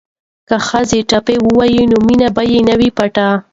که ښځې ټپې ووايي نو مینه به نه وي پټه.